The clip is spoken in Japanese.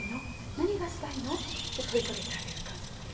何がしたいの？と問いかけてあげる感じ。